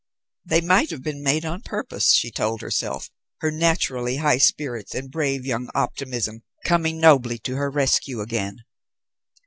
"They might have been made on purpose," she told herself, her naturally high spirits and brave young optimism coming nobly to her rescue again.